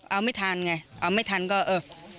เอาไม่ทันไงเอาไม่ทันก็เออ